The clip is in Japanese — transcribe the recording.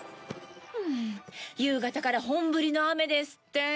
夕方から本降りの雨ですって。